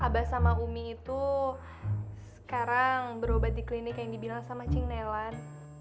abah sama umi itu sekarang berobat di klinik yang dibilang sama ching nelan